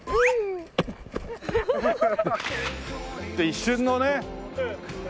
一瞬のね。